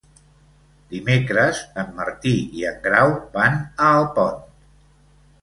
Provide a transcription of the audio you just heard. Dimecres en Martí i en Grau van a Alpont.